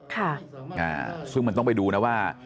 ค่ะอ่าซึ่งมันต้องไปดูนะว่า